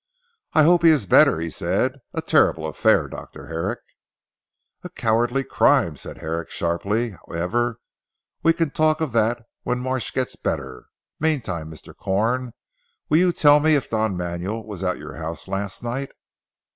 "I hope he is better," he said, "a terrible affair Dr. Herrick!" "A cowardly crime!" said Herrick sharply. "However we can talk of that when Marsh gets better. Meantime Mr. Corn, will you tell me if Don Manuel was at your house last night?"